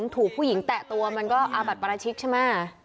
ถูผู้หญิงแตะตัวมันก็อาบัตรประชิกใช่มั้ย